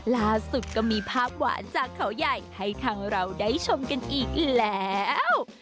ล่าสุดก็มีภาพหวานจากเขาใหญ่ให้ทางเราได้ชมกันอีกแล้ว